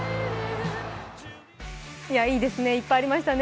いいですね、いっぱいありましたね。